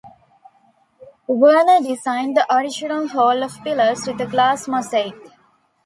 Werner designed the original hall of pillars with a glass mosaic.